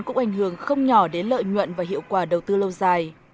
cũng ảnh hưởng không nhỏ đến lợi nhuận và hiệu quả đầu tư lâu dài